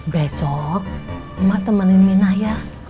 besok mak temenin minah ya